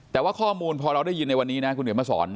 แต่ว่าข้อมูลพอเราได้ยินในวันนี้นะคุณเดี๋ยวมาสอน